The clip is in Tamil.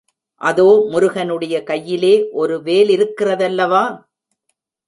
அதோ முருகனுடைய கையிலே ஒரு வேலிருக்கிறதல்லவா?